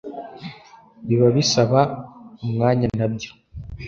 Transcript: biba bisaba umwanya na byo